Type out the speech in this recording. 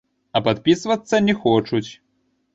А падпісвацца не хочуць.